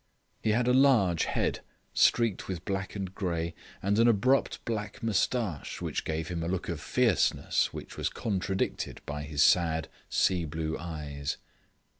He had a large head streaked with black and grey, and an abrupt black moustache, which gave him a look of fierceness which was contradicted by his sad sea blue eyes.